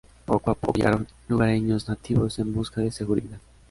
Poco a poco llegaron lugareños nativos en busca de seguridad.